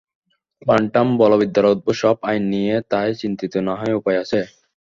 Quantum বলবিদ্যার অদ্ভুত সব আইন নিয়ে তাই চিন্তিত না হয়ে উপায় আছে?